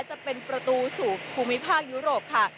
จะเป็นประตูสู่ภูมิภาคยุโรปค่ะ